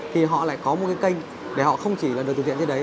thì họ lại có một cái kênh để họ không chỉ là được từ thiện như thế đấy